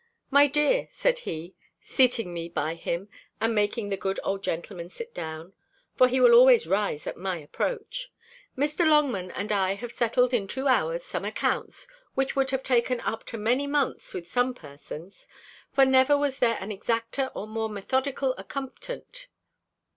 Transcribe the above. "My dear," said he, seating me by him, and making the good old gentleman sit down, (for he will always rise at my approach) "Mr. Longman and I have settled, in two hours, some accounts, which would have taken up as many months with some persons: for never was there an exacter or more methodical accomptant.